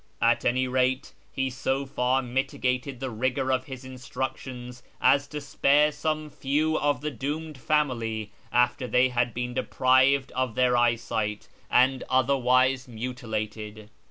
At any rate, he so far mitigated the rigour of his instructions as to spare some few of the doomed family after they had been deprived of their eyesight and otherwise mutilated.